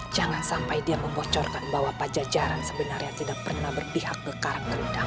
jangan sampai dia membocorkan bahwa pajajaran sebenarnya tidak pernah berpihak ke karakter